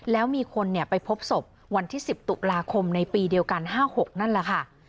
แล้วมีคนไปพบศพวันที่๑๐ตุลาคมในปีเดียวกัน๕๖นั่นแหละค่ะ